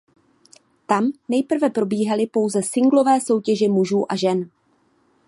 Tam nejprve probíhaly pouze singlové soutěže mužů a žen.